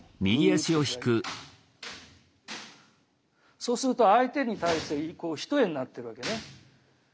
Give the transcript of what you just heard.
そうすると相手に対して偏えになってるわけね。